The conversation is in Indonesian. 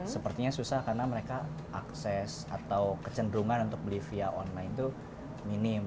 sepertinya susah karena mereka akses atau kecenderungan untuk beli via online itu minim